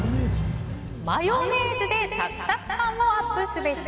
マヨネーズでサクサク感をアップすべし。